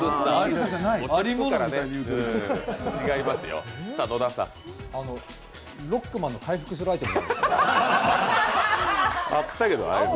違いますよロックマンの回復するアイテム。